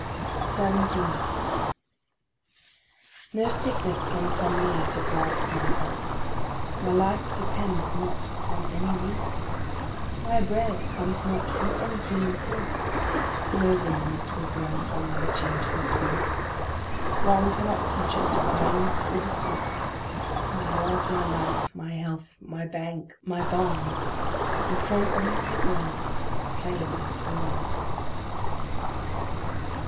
17. No sickness can come near to blast my health; My life depends not upon any meat; My bread comes not from any human tilth; No wings will grow upon my changeless wealth; Wrong cannot touch it, violence or deceit; Thou art my life, my health, my bank, my barn And from all other gods thou plain dost warn.